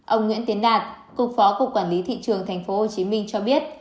ông nguyễn tiến đạt cục phó cục quản lý thị trường tp hcm cho biết